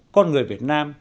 con người việt nam